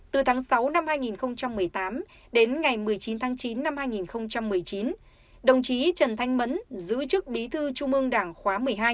từ tháng sáu năm hai nghìn một mươi tám đến ngày một mươi chín tháng chín năm hai nghìn một mươi chín đồng chí trần thanh mẫn giữ chức bí thư trung ương đảng khóa một mươi hai